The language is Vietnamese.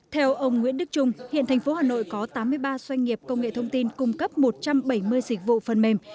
theo ông nguyễn đức trung hiện thành phố hà nội có tám mươi ba doanh nghiệp công nghệ thông tin cung cấp một trăm bảy mươi dịch vụ phần mềm